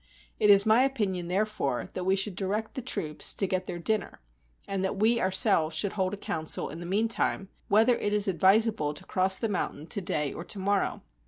It is my opinion, therefore, that we should direct the troops to get their dinner, and that we ourselves should hold a council, in the mean time, whether it is advisable to cross the mountain to day or to morrow."